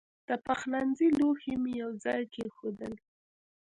د پخلنځي لوښي مې یو ځای کېښودل.